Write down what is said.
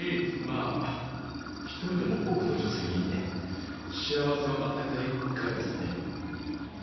まぁ一人でも多くの女性に幸せを与えたいからですかね。